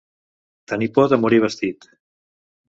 Tenir por de morir vestit.